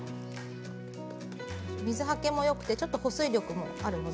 水はけもよくちょっと保水力もあるので。